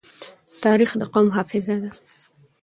تاریخ د قوم حافظه ده.